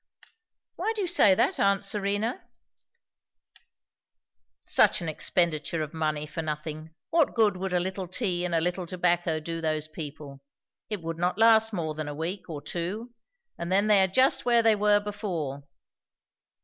"Why do you say that, aunt Serena?" "Such an expenditure of money for nothing. What good would a little tea and a little tobacco do those people? It would not last more than a week or two; and then they are just where they were before."